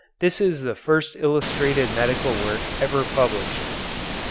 This is the first illustrated medical work ever published.